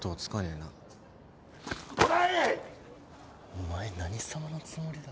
お前何様のつもりだ？